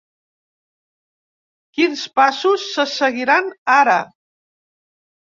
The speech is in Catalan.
Quins passos se seguiran ara?